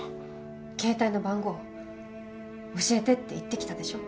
携帯の番号教えてって言ってきたでしょ？